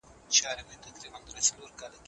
بواسیر د مقعد په پای کې وي.